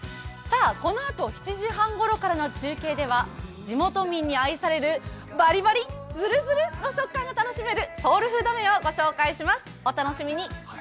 このあと７時半ごろからの中継では地元民に愛されるバリバリ、ズルズルの食感が楽しめるソウルフード麺をご紹介します、お楽しみに。